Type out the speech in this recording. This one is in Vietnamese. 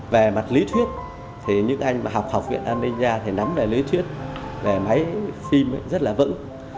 về mặt lý thuyết thì những anh mà học học viện an ninh ra thì nắm về lý thuyết về máy phim rất là vững